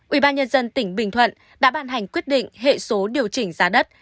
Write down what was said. ubnd tỉnh bình thuận đã ban hành quyết định hệ số điều chỉnh giá đất